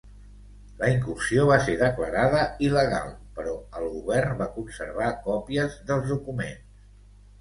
La incursió va ser declarada il·legal, però el govern va conservar còpies dels documents.